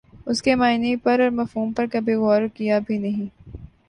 اسکے معانی پر اور مفہوم پر کبھی غورکیا بھی نہیں